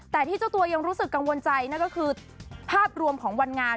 แต่ที่เจ้าตัวยังรู้สึกกังวลใจนั่นก็คือภาพรวมของวันงาน